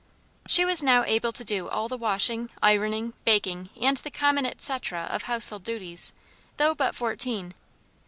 She was now able to do all the washing, ironing, baking, and the common et cetera of household duties, though but fourteen.